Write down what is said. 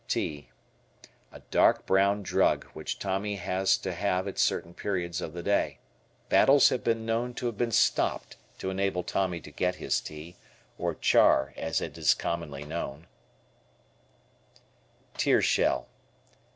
Tea. A dark brown drug, which Tommy has to have at certain periods of the day. Battles have been known to have been stopped to enable Tommy to get his tea, or "char" as it is commonly called. "Tear Shell."